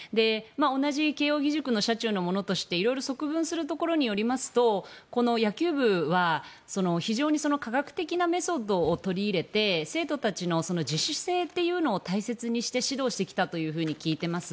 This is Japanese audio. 同じ慶應義塾の社中のものとして色々側聞するところによりますとこの野球部は非常に科学的なメソッドを取り入れて生徒たちの自主性というのを大切にして指導してきたと聞いています。